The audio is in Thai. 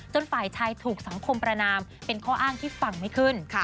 ฝ่ายชายถูกสังคมประนามเป็นข้ออ้างที่ฟังไม่ขึ้น